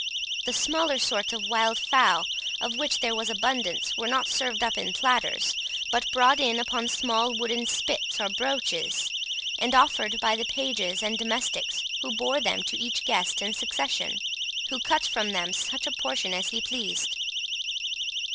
The smaller sorts of wild fowl, of which there was abundance, were not served up in platters, but brought in upon small wooden spits or broaches, and offered by the pages and domestics who bore them, to each guest in succession, who cut from them such a portion as he pleased.